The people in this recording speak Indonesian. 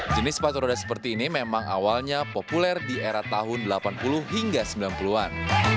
jenis sepatu roda seperti ini memang awalnya populer di era tahun delapan puluh hingga sembilan puluh an